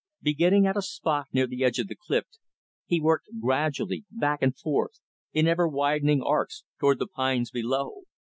Beginning at a spot near the edge of the cliff, he worked gradually, back and forth, in ever widening arcs, toward the pines below.